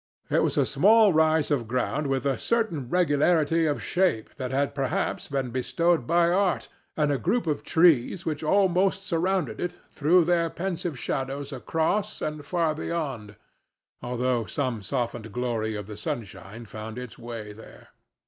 It was a small rise of ground with a certain regularity of shape that had perhaps been bestowed by art, and a group of trees which almost surrounded it threw their pensive shadows across and far beyond, although some softened glory of the sunshine found its way there.